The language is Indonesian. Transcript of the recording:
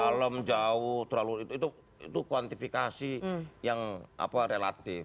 dalam jauh terlalu itu kuantifikasi yang relatif